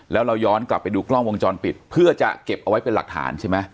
แล้วเราย้อนกลับไปดูกล้องวงจรปิดเพื่อจะเก็บเอาไว้เป็นหลักฐานใช่ไหม